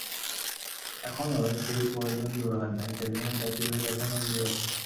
এখনও সেই প্রয়োজন দূর হয় নাই, সেজন্য জাতিভেদ এখনও রহিয়াছে।